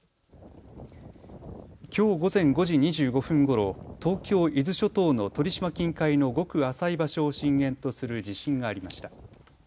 きょう午前５時２５分ごろ、東京伊豆諸島の鳥島近海のごく浅い場所を震源とする地震がありました。